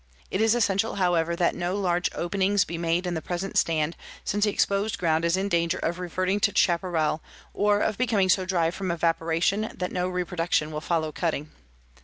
It is essential, however, that no large openings be made in the present stand since the exposed ground is in danger of reverting to chaparral or of becoming so dry from evaporation that no reproduction will follow cutting.